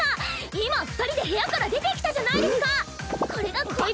今二人で部屋から出てきたじゃないですか！